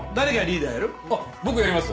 僕やります！